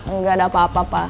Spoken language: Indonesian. enggak ada apa apa pak